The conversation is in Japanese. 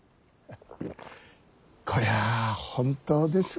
こりゃ本当です。